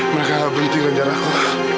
mereka tak berhenti dengan jarakku